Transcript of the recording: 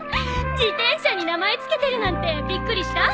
自転車に名前付けてるなんてびっくりした？